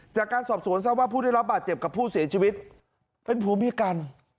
จากการสอบสวนทราบว่าผู้ได้รับบาดเจ็บกับผู้เสียชีวิตเป็นผัวเมียกัน